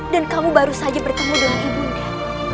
dan kamu baru saja bertemu dengan ibu bunda